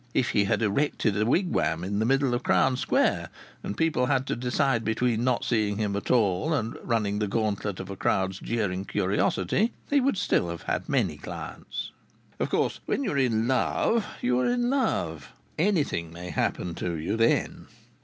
If he had erected a wigwam in the middle of Crown Square and people had had to decide between not seeing him at all and running the gauntlet of a crowd's jeering curiosity, he would still have had many clients. Of course when you are in love you are in love. Anything may happen to you then.